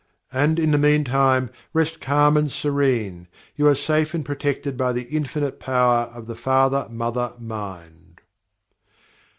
And, in the meantime, rest calm and serene you are safe and protected by the Infinite Power of the FATHER MOTHER MIND.